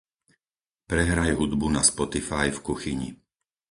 Prehraj hudbu na spotify v kuchyni.